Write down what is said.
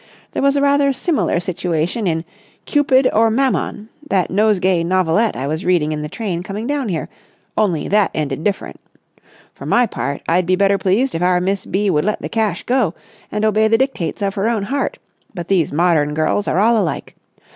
There was a rather similar situation in 'Cupid or Mammon,' that Nosegay Novelette I was reading in the train coming down here, only that ended different. For my part I'd be better pleased if our Miss B. would let the cash go, and obey the dictates of her own heart; but these modern girls are all alike!